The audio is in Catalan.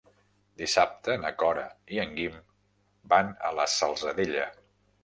Dissabte na Cora i en Guim van a la Salzadella.